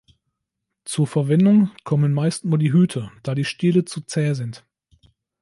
Zur Verwendung kommen meist nur die Hüte, da die Stiele zu zäh sind.